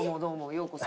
ようこそ。